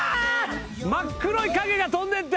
真っ黒い影が飛んでった。